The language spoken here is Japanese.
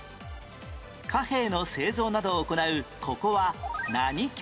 貨幣の製造などを行うここは何局？